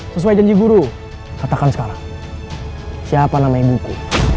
sesuai janji guru katakan sekarang siapa nama ibuku